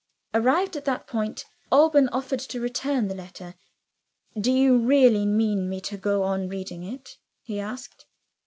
Arrived at that point, Alban offered to return the letter. "Do you really mean me to go on reading it?" he asked.